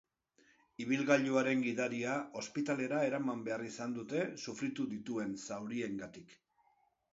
Ibilgailuaren gidaria ospitalera eraman behar izan dute sufritu dituen zauriengatik.